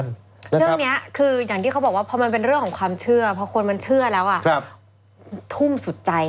เรื่องนี้คืออย่างที่เขาบอกว่าพอมันเป็นเรื่องของความเชื่อพอคนมันเชื่อแล้วทุ่มสุดใจ